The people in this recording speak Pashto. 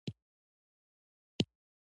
د ستوني د وچوالي لپاره د بامیې اوبه وڅښئ